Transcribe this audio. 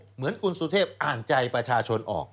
เหมือนคุณสุเทพอ่านใจประชาชนออก